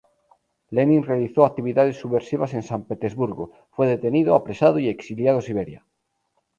Lenin realizó actividades subversivas en San Petersburgo, fue detenido, apresado y exiliado a Siberia.